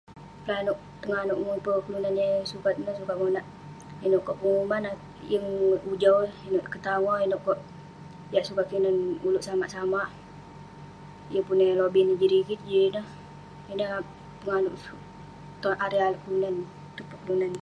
Nanouk, penganouk mipe kelunan yah yeng sukat..sukat monak inouk kerk.. penguman, yeng ujau eh, inouk keh, tangoh..inouk kerk yak sukat kinan ulouk samak samak..yeng pun eh lobih neh jin rigit, jin ineh..ineh penganouk tong mipe kelunan..